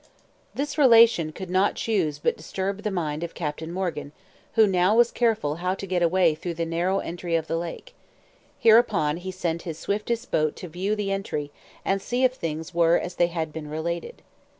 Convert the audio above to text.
This relation could not choose but disturb the mind of Captain Morgan, who now was careful how to get away through the narrow entry of the lake: hereupon he sent his swiftest boat to view the entry, and see if things were as they had been related.